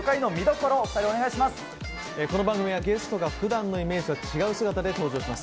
この番組はゲストがふだんのイメージとは違う姿で登場します。